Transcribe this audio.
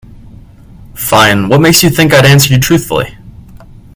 Fine, what makes you think I'd answer you truthfully?